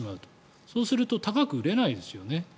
そうすると高く売れないですよね。